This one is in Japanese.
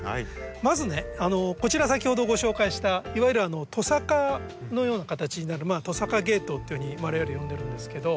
まずねこちら先ほどご紹介したいわゆるトサカのような形になる「トサカケイトウ」っていうふうに我々呼んでるんですけど。